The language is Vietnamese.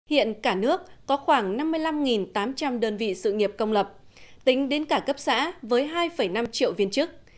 hiện cả nước có khoảng năm mươi năm tám trăm linh đơn vị sự nghiệp công lập tính đến cả cấp xã với hai năm triệu viên chức